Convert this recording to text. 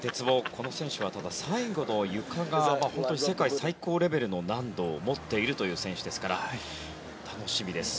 この選手はただ最後のゆかが世界最高レベルの難度を持っているという選手ですから楽しみです。